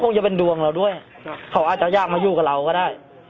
จะเป็นดวงเราด้วยเขาอาจจะอยากมาอยู่กับเราก็ได้